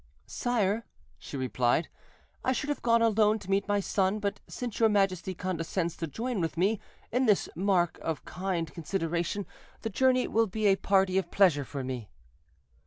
"Sire," she replied, "I should have gone alone to meet my son; but since your majesty condescends to join with me in this mark of kind consideration, the journey will be a party of pleasure for me."